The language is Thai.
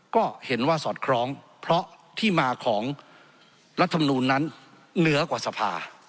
ก็เห็นว่าสอดคล้องเพราะที่มาของรัฐมนูลนั้นเหนือกว่าสภา